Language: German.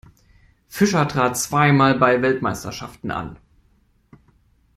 Fischer trat zweimal bei Weltmeisterschaften an.